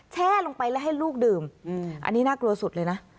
แช่ลงไปแล้วให้ลูกดื่มอันนี้น่ากลัวสุดเลยนะ